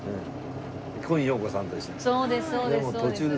今陽子さんと一緒に。